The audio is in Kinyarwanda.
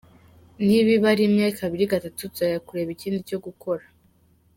Nibiba rimwe, kabiri, gatatu tuzajya tureba ikindi cyo gukora.